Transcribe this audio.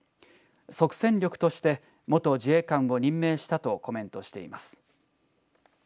即戦力として元自衛官を任命したとコメントしています。